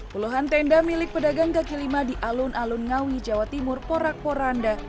puluhan tenda milik pedagang kaki lima di alun alun ngawi jawa timur porak poranda